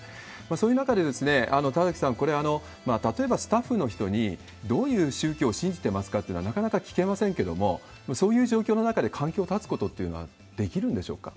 そういう中で、田崎さん、これ、例えばスタッフの人に、どういう宗教を信じてますかというのは、なかなか聞けませんけれども、そういう状況の中で、関係を断つことっていうのはできるんでしょうか。